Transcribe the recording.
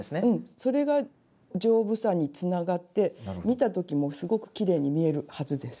それが丈夫さにつながって見た時もすごくきれいに見えるはずです。